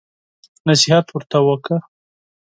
نصيحت ورته وکړه.